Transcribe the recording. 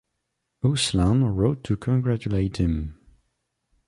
Ousland wrote to congratulate him.